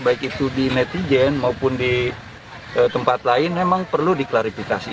baik itu di netizen maupun di tempat lain memang perlu diklarifikasi